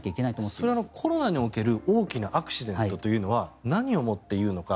それはコロナにおける大きなアクシデントというのは何をもって言うのか。